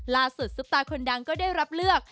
ล่าสุดซุปตาคนดังก็ได้รับเลือก